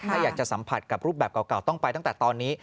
ถ้าอยากจะสัมผัสกับรูปแบบเก่าต้องไปตั้งแต่ตอนนี้